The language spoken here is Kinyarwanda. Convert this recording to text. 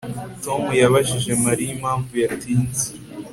Tom yabajije Mariya impamvu yatinze